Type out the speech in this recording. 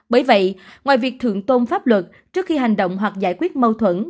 bởi vậy ngoài việc thượng tôn pháp luật trước khi hành động hoặc giải quyết mâu thuẫn